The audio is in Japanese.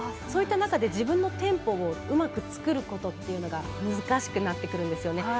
そういった中で自分のテンポをうまく作ることが難しくなってくるんですね。